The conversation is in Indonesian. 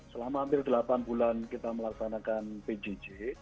selama hampir delapan bulan kita melaksanakan pjj